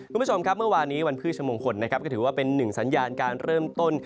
คุณผู้ชมครับเมื่อวานนี้วันพฤชมงคลนะครับก็ถือว่าเป็นหนึ่งสัญญาณการเริ่มต้น